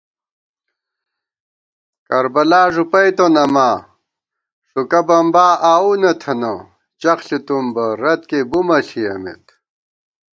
کربلا ݫُپَئیتون اماں ݭُکہ بمبا آؤو نہ تھنہ چخ ݪِتُم بہ رتکےبُمہ ݪِیَمېت